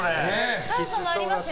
酸素もありますよ。